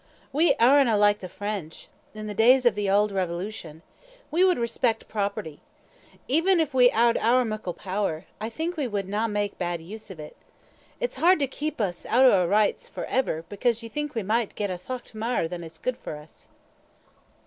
We arena like the French (in the days of the auld revolution); we would respect property. Even if we had owre muckle power, I think we wad mak nae bad use of it. It's hard to keep huz oot o' oor richts for ever because ye think we micht get a thocht mair than is good for us."